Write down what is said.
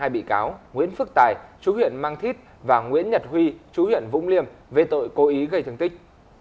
hai bị cáo nguyễn phước tài chú huyện mang thít và nguyễn nhật huy chú huyện vũng liêm về tội cố ý gây thương tích